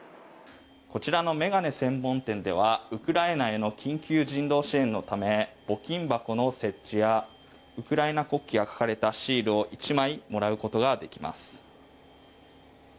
こちらの眼鏡専門店ではウクライナへの緊急人道支援のため募金箱の設置やウクライナ国旗が描かれたシールを１枚もらうことができます。